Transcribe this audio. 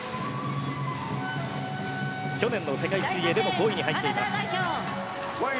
去年の世界水泳でも５位に入っています。